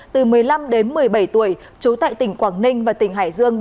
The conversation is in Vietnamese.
từ một mươi năm đến một mươi bảy tuổi trú tại tỉnh quảng ninh và tỉnh hải dương